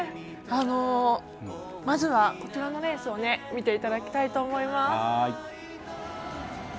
まずは昨日のレースを見ていただきたいと思います。